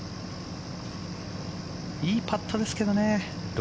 いいパットですけどね。